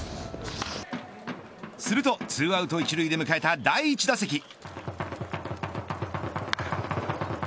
すると２アウト一塁で迎えた第１打席。